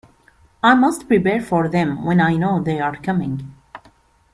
I must prepare for them when I know they are coming.